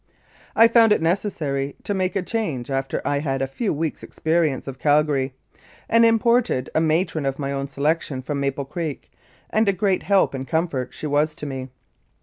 I found it necessary to make a change after I had a few weeks' experience of Calgary, and imported a matron of my own selection from Maple Creek, and a great help and comfort she was to me.